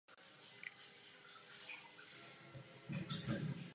Poprvé bylo použito nové oficiální logo soutěže.